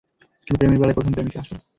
কিন্তু প্রেমের বেলায় প্রথম প্রেমিকই আসল।